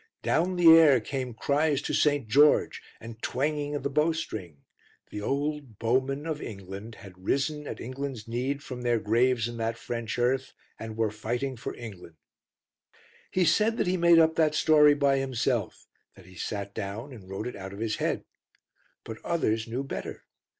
Down the air came cries to St. George and twanging of the bow string; the old bowmen of England had risen at England's need from their graves in that French earth and were fighting for England. He said that he made up that story by himself, that he sat down and wrote it out of his head. But others knew better.